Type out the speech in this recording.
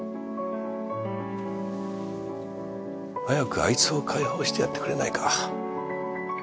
早くあいつを解放してやってくれないか？